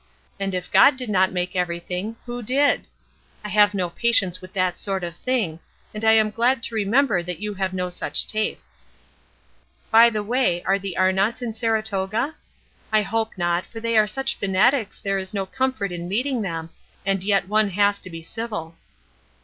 And if God did not make everything, who did? I have no patience with that sort of thing, and I am glad to remember that you have no such tastes. "By the way, are the Arnotts in Saratoga? I hope not, for they are such fanatics there is no comfort in meeting them, and yet one has to be civil.